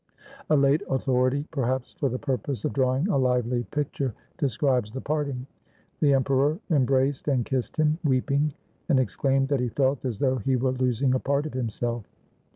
A late authority, perhaps for the purpose of drawing a lively picture, describes the parting. ''The emperor embraced and kissed him, weeping, and ex claimed that he felt as though he were losing a part of himself."